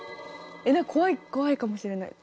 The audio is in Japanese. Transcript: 怖い怖いかもしれない。